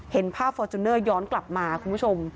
เห็นภาพฟอร์จูเนอร์ย้อนกลับมาคุณผู้ชม